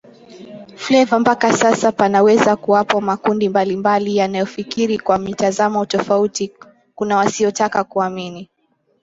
Fleva Mpaka sasa panaweza kuwapo makundi mbalimbali yanayofikiri kwa mitazamo tofauti Kuna wasiotaka kuamini